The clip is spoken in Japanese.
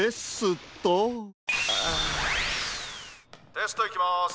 「テストいきます」。